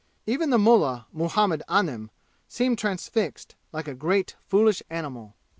Even mullah Muhammad Anim seemed transfixed, like a great foolish animal.